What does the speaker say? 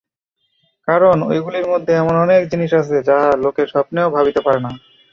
কারণ ঐগুলির মধ্যে এমন অনেক জিনিষ আছে, যাহা লোকে স্বপ্নেও ভাবিতে পারে না।